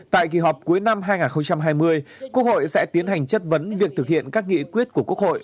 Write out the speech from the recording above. tại kỳ họp cuối năm hai nghìn hai mươi quốc hội sẽ tiến hành chất vấn việc thực hiện các nghị quyết của quốc hội